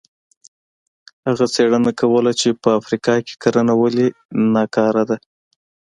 هغه څېړنه کوله چې په افریقا کې کرنه ولې ناکاره ده.